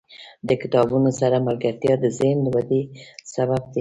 • د کتابونو سره ملګرتیا، د ذهن ودې سبب دی.